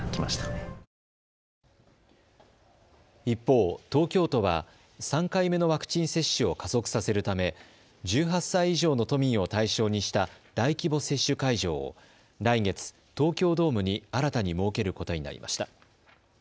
一方、東京都は３回目のワクチン接種を加速させるため１８歳以上の都民を対象にした大規模接種会場を来月、東京ドームに新たに設けることになりました。